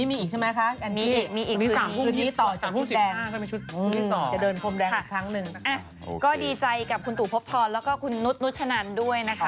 ผมอีกครั้งนึงก็ดิจัยกับคุณตูปภพทอลแล้วก็คุณนุดนุชฉนันด้วยนะคะ